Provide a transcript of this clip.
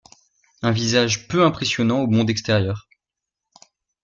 Un visage peu impressionnant au monde extérieur.